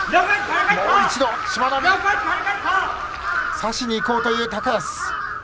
差しにいこうという高安。